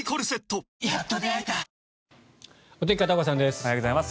おはようございます。